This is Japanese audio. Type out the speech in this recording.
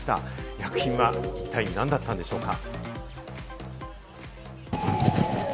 薬品は一体何だったんでしょうか？